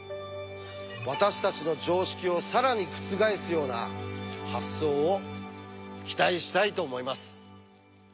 私たちの常識を更に覆すような発想を期待したいと思います。